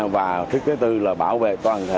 và thứ tư là bảo vệ toàn thể